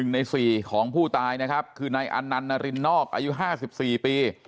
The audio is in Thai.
ใน๔ของผู้ตายนะครับคือนายอันนันต์นารินนอกอายุ๕๔ปี